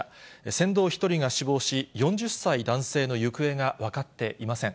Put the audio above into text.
船頭１人が死亡し、４０歳男性の行方が分かっていません。